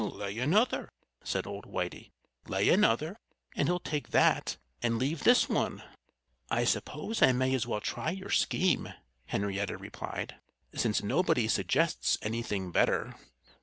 "Lay another!" said old Whitey. "Lay another and he'll take that and leave this one." "I suppose I may as well try your scheme," Henrietta replied, "since nobody suggests anything better."